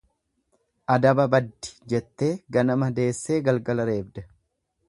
Adaba baddi jettee ganama deessee galgala reebdee.